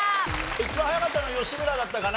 一番早かったの吉村だったかな。